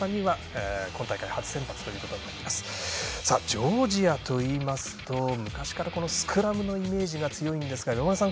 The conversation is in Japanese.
ジョージアといいますと昔からスクラムのイメージが強いんですが山村さん